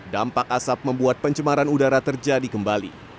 dampak asap membuat pencemaran udara terjadi kembali